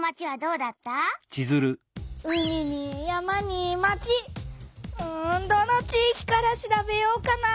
うんどの地いきから調べようかな？